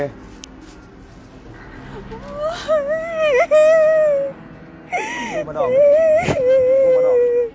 ทิ้งมาออก